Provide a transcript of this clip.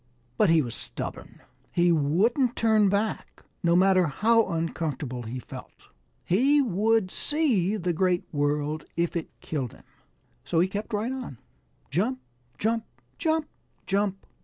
But he was stubborn. He wouldn't turn back, no matter how uncomfortable he felt. He would see the Great World if it killed him. So he kept right on, jump, jump, jump, jump.